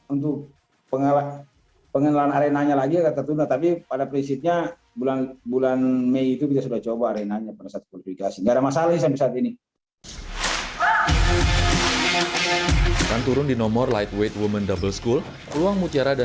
untuk pengenalan arenanya lagi akan tertunda